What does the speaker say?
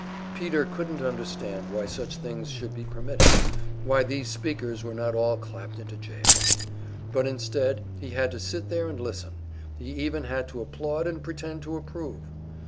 Peter couldn't understand why such things should be permitted why these speakers were not all clapped into jail. But instead, he had to sit there and listen; he even had to applaud and pretend to approve!